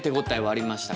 ありました。